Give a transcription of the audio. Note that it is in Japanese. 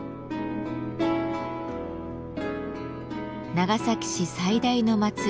長崎市最大の祭り